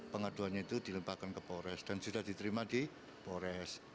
pengaduannya itu dilempahkan ke polres dan sudah diterima di polres